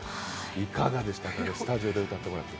いかがでしたか、スタジオで歌ってみて。